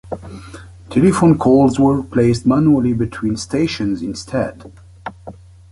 Telephone calls were placed manually between stations, instead.